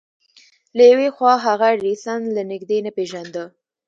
له يوې خوا هغه ايډېسن له نږدې نه پېژانده.